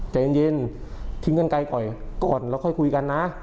ใจเย็นทิ้งกันไกลก่อนแล้วค่อยคุยกันนะ